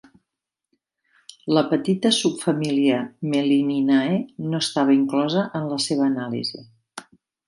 La petita subfamília Mellininae no estava inclosa en la seva anàlisi.